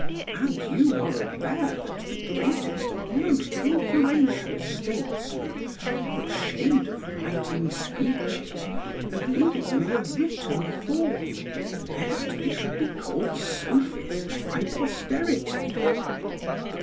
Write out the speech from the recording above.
And you are aware that the greatest and most influential statesmen are ashamed of writing speeches and leaving them in a written form, lest they should be called Sophists by posterity.